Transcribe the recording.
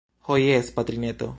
Ho jes, patrineto.